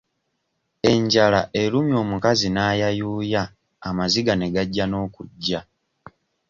Enjala erumye omukazi n'ayayuuya amaziga ne gajja n'okujja.